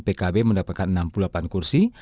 pkb mendapatkan enam puluh delapan kursi